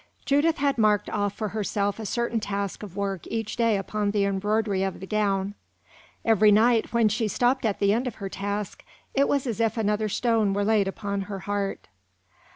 Judith had marked off for herself a certain task of work each day upon the embroidery of the gown. Every night, when she stopped at the end of her task, it was as if another stone were laid upon her heart.